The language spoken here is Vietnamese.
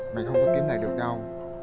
mày không có kiếm lại được đâu